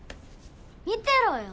見てろよ。